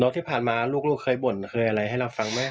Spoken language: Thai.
แล้วที่ผ่านมาลูกเคยบ่นเคยอะไรให้เราฟังไหม